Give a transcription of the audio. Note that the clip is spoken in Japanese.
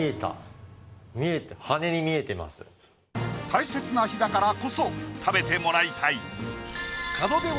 大切な日だからこそ食べてもらいたい。